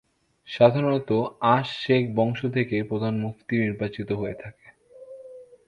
সাধারণত আশ-শেখ বংশ থেকেই প্রধান মুফতি নির্বাচিত হয়ে থাকে।